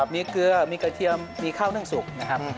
มีเกลือมีกระเทียมมีข้าวนึ่งสุกนะครับ